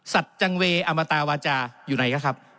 จังเวอมตาวาจาอยู่ไหนก็ครับ